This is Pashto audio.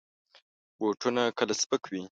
بوټونه کله سپک وي.